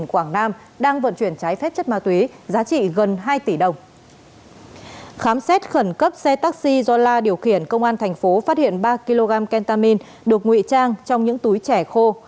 khám xét khẩn cấp xe taxi do la điều khiển công an thành phố phát hiện ba kg kentamin được nguy trang trong những túi trẻ khô